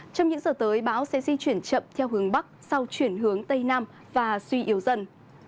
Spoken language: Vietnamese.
trong những giờ tới bão sẽ di chuyển chậm theo hướng bắc sau chuyển hướng tây nam và suy yếu dần